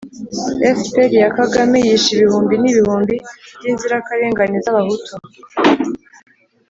fpr ya kagame yishe ibihumbi n'ibihumbi by'inzirakarengane z'abahutu.